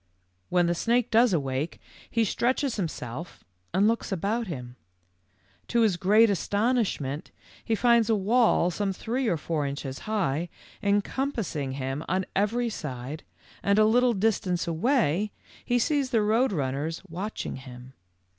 "When the snake does awake, he stretches himself and looks about him. To his oreat astonishment he finds a wall some three or four inches high encompassing him on every side, and a little distance away he sees the Road Runners watching him.